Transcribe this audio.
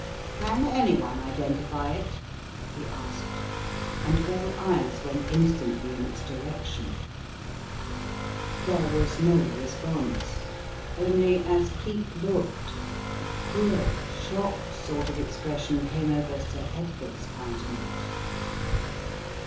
"Can any one identify it?" he asked, and all eyes went instantly in its direction. There was no re sponse, only, as Cleek looked, a queer, shocked sort of expression came over Sir Edgar's countenance.